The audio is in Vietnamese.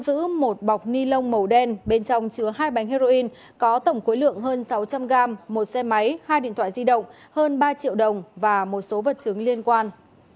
cơ quan công an thu giữ một bóng nilon màu đen bên trong chứa hai bánh heroin có tổng cuối lượng hơn sáu trăm linh gram một xe máy hai điện thoại di động hơn ba triệu đồng và một số vật chứng liên quan